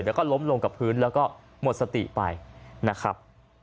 แล้วก็ล้มลงกับพื้นแล้วก็หมดสติไปนะครับ